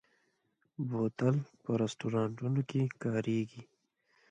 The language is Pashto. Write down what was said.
بوتل په رستورانتونو کې کارېږي.